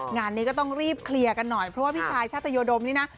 งานนี้ก็ต้องรีบเคลียร์กันหน่อยเพราะว่าพี่ชายชาตยดมนี่นะ